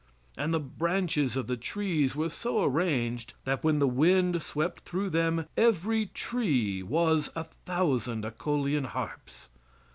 And the branches of the trees were so arranged that when the wind swept through them every tree was a thousand aeolian harps.